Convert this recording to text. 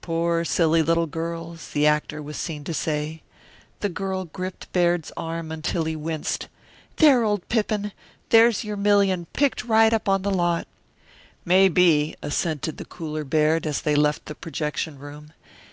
"Poor, silly little girls," the actor was seen to say. The girl gripped Baird's arm until he winced. "There, old Pippin! There's your million, picked right up on the lot!" "Maybe," assented the cooler Baird, as they left the projection room.